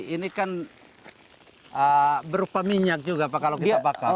ini kan berupa minyak juga pak kalau kita bakar